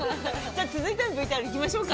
◆続いてのＶＴＲ行きましょうか。